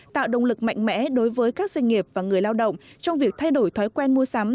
tạo động lực mạnh mẽ đối với các doanh nghiệp và người lao động trong việc thay đổi thói quen mua sắm